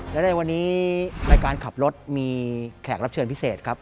และในวันนี้รายการขับรถมีแขกรับเชิญพิเศษครับ